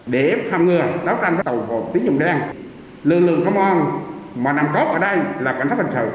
để phạm ngừa đấu tranh với tàu hộp tín dụng đen lươn lươn công an mà nằm góp ở đây là cảnh sát bình thường